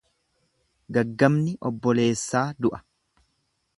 Gaggabni obboleessaa du'a.